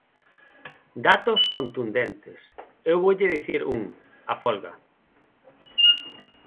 Datos contundentes, eu voulle dicir un: a folga.